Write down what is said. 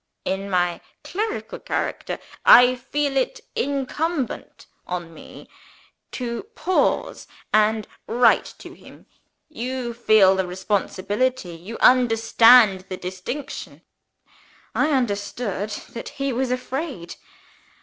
In my clerical character, I feel it incumbent on me to pause and write to him. You feel the responsibility? You understand the distinction?" I understood that he was afraid.